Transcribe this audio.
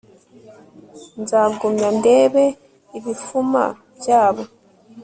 nzagumya ndebe ibifuma byabo